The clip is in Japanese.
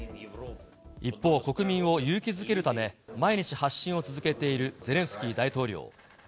一方、国民を勇気づけるため、毎日発信を続けているゼレンスキー大統領。